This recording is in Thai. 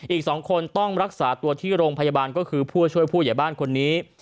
อีก๒คนต้องรักษาตัวที่โรงพยาบาลก็คือผู้ช่วยผู้ใหญ่บ้านคนนี้